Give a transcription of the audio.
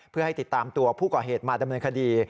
เพื่อให้ติดตามตัวผู้ก่อเหตุมาดำเนินคดี